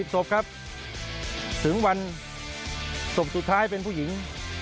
ศพครับถึงวันศพสุดท้ายเป็นผู้หญิง